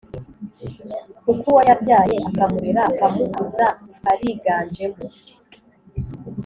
kuko uwo yabyaye akamurera akamukuza ariganjemo.